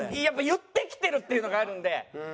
やっぱ言ってきてるっていうのがあるので。